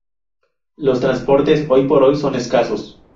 Los transportes hoy por hoy son escasos.